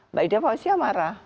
mbak ida fauzia marah